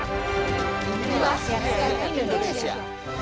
di luar sehat indonesia